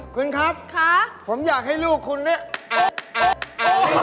คุณครับผมอยากให้ลูกคุณเนี่ยอ่าอ่าอ่าเล่นหนึ่ง